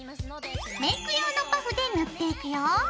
メーク用のパフで塗っていくよ。